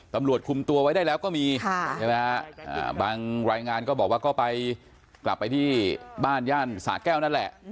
ตำรวจคุมตัวไว้ได้แล้วก็มีใช่ไหมฮะบางรายงานก็บอกว่าก็ไปกลับไปที่บ้านย่านสะแก้วนั่นแหละ